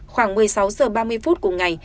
khoảng một mươi sáu h ba mươi phút cùng ngày